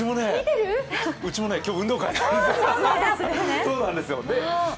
うちも今日、運動会なんですよ。